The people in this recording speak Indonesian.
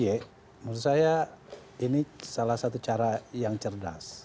menurut saya ini salah satu cara yang cerdas